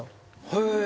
へえ。